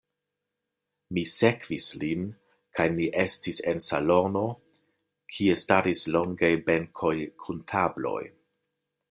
Mi sekvis lin kaj ni estis en salono, kie staris longaj benkoj kun tabloj.